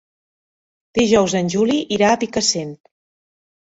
Dijous en Juli irà a Picassent.